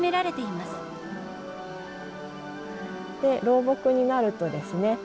老木になるとですね